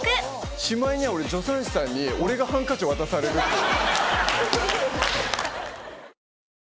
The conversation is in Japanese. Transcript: しまいには俺助産師さんに俺がハンカチ渡されるっていう。